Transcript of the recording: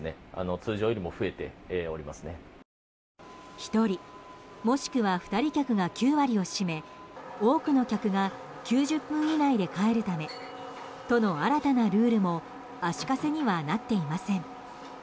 １人、もしくは２人客が９割を占め多くの客が９０分以内で帰るため都の新たなルールも足かせにはなっていません。